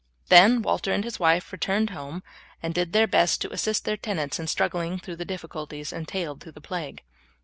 Then Walter and his wife returned home and did their best to assist their tenants in struggling through the difficulties entailed through the plague.